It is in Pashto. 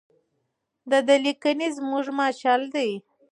د ده لیکنې زموږ مشعل دي.